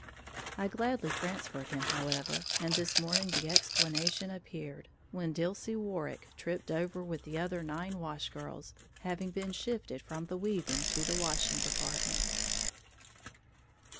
I gladly transferred him, however; and this morning the explanation appeared, when Dilsey Warrick tripped over with the other nine wash girls, having been shifted from the weaving to the washing department.